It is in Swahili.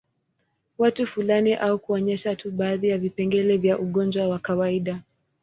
Watu fulani au kuonyesha tu baadhi ya vipengele vya ugonjwa wa kawaida